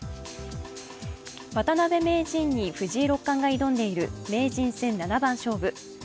渡辺名人に、藤井六冠が挑んでいる名人戦七番勝負。